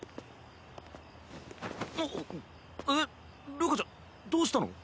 るかちゃんどうしたの？